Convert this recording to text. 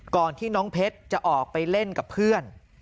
ก่อนที่น้องเพชรจะออกไปเล่นกับเพื่อน